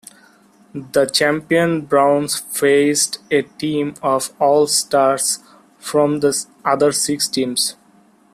The champion Browns faced a team of All-Stars from the other six teams.